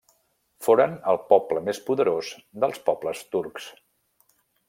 Foren el poble més poderós dels pobles turcs.